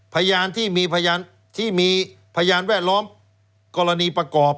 พยานที่มีพยานแวดล้อมกรณีประกอบ